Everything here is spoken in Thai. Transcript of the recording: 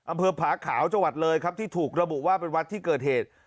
อำเภอผาขาวจังหวัดเลยครับที่ถูกระบุว่าเป็นวัดที่เกิดเหตุ